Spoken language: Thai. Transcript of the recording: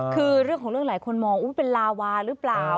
คือเรื่องของเรื่องหลายคนมองเป็นลาวาหรือเปล่า